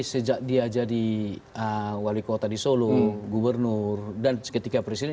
sejak dia jadi wali kota di solo gubernur dan ketika presiden